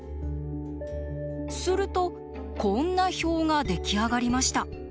するとこんな表が出来上がりました。